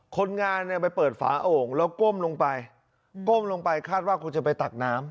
คนงานเนี่ยไปเปิดฝาโอ่งแล้วก้มลงไปก้มลงไปคาดว่าคงจะไปตักน้ำ